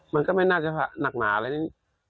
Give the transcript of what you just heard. มันก็ไม่น่าจะหนักหนาอะไรนี่